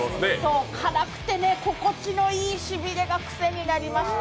辛くて、心地のいいしびれが癖になりまして。